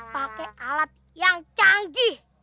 pakai alat yang canggih